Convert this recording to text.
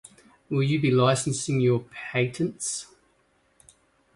Will you be licensing your patents?